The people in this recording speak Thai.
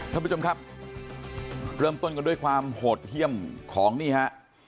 ท่านผู้ชมครับเริ่มต้นกันด้วยความโหดเยี่ยมของนี่ฮะ